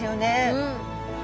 うん。